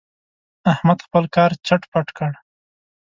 احمد خپل کار چټ پټ کړ.